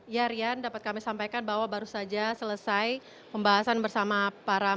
ya rian dapat kami sampaikan bahwa baru saja selesai pembahasan bersama para